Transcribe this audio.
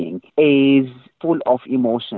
dia penuh dengan emosi